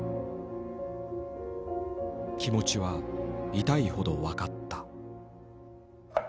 気持ちは痛いほど分かった。